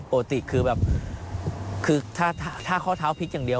ปกติคือแบบคือถ้าข้อเท้าพลิกอย่างเดียว